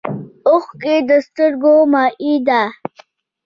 اوښکې د سترګو مایع ده